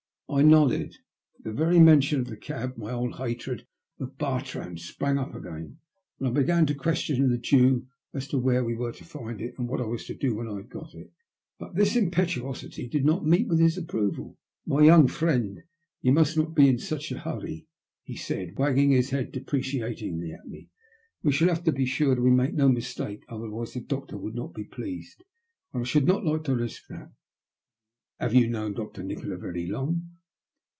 I nodded. At the very mention of the cab my old hatred of Bartrand sprang up again, and I began to question the Jew as to where we were to find it and what I was to do when I had got it. But this impetuosity did not meet with his approval. "My young friend, you must not be in such a hurry," he said, wagging his head deprecatingly at me. " We shall have to bo sure we make no mistake, otherwise the doctor would not be pleased, and I should not like to risk that. Have you known Dr. Nikola very long?"